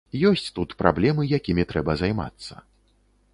Ёсць тут праблемы, якімі трэба займацца.